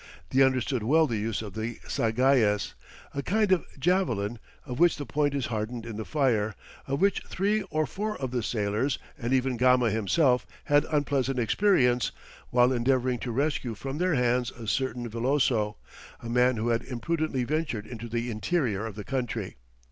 They understood well the use of the zagayes a kind of javelin, of which the point is hardened in the fire of which three or four of the sailors and even Gama himself had unpleasant experience, while endeavouring to rescue from their hands a certain Velloso, a man who had imprudently ventured into the interior of the country.